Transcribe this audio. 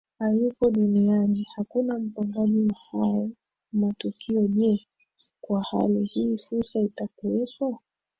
hayupo duniani hakuna mpangaji wa hayo matukio Je kwa hali hii Fursa itakuwepo